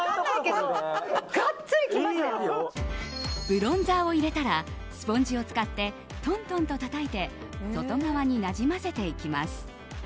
ブロンザーを入れたらスポンジを使ってとんとんと、たたいて外側になじませていきます。